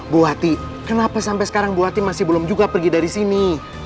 bu hati kenapa sampai sekarang bu hati masih belum juga pergi dari sini